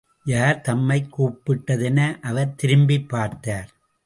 யார் தம்மைக் கூப்பிட்டது என அவர் திரும்பிப் பார்த்தார்.